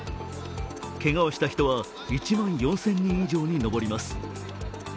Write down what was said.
けがをした人は１万４０００人以上に上ります。